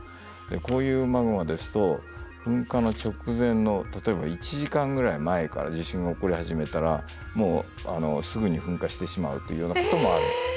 こういうマグマですと噴火の直前の例えば１時間ぐらい前から地震が起こり始めたらもうすぐに噴火してしまうというようなこともあります。